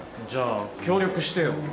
じゃあ協力してよ。